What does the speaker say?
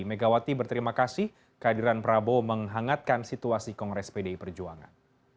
megawati berterima kasih kehadiran prabowo menghangatkan situasi kongres pdi perjuangan